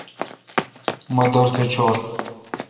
مہ دورتھ چھور۔